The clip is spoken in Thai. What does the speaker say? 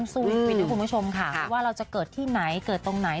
สู้สุขีดด้วยคุณผู้ชมค่ะว่าเราจะเกิดที่ไหนเกิดตรงไหน